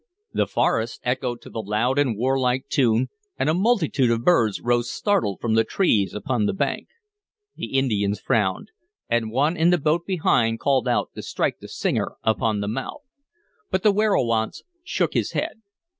The forest echoed to the loud and warlike tune, and a multitude of birds rose startled from the trees upon the bank. The Indians frowned, and one in the boat behind called out to strike the singer upon the mouth; but the werowance shook his head.